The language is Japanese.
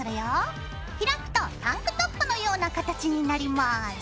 開くとタンクトップのような形になります。